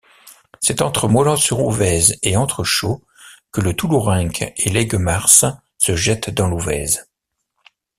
C'est entre Mollans-sur-Ouvèze et Entrechaux que le Toulourenc et l'Aygemarse se jettent dans l'Ouvèze.